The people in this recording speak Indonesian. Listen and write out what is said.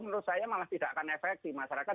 menurut saya malah tidak akan efek di masyarakat